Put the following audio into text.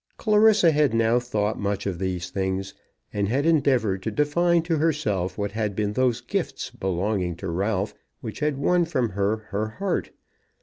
Clarissa had now thought much of these things, and had endeavoured to define to herself what had been those gifts belonging to Ralph which had won from her her heart.